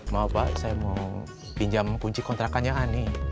mau pak saya mau pinjam kunci kontrak bluff manga anik